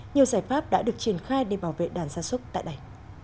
nhiều giải pháp đã được triển khai để bảo vệ đàn gia súc tại đây